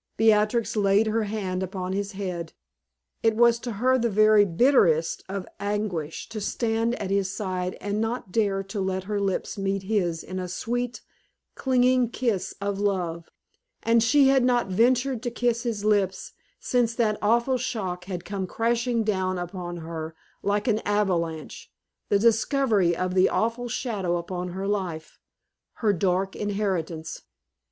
Beatrix laid her hand upon his head. It was to her the very bitterest of anguish to stand at his side and not dare to let her lips meet his in a sweet, clinging kiss of love; and she had not ventured to kiss his lips since that awful shock had come crashing down upon her like an avalanche the discovery of the awful shadow upon her life, her dark inheritance.